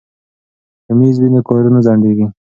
که میز وي نو کار نه ځنډیږي.